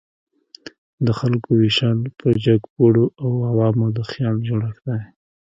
د خلکو ویشل په جګپوړو او عوامو د خیال جوړښت دی.